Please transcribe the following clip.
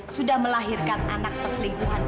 sudah melahirkan anak perselituhan